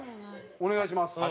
お願いします。